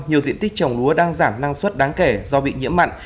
nhiều diện tích trồng lúa đang giảm năng suất đáng kể do bị nhiễm mặn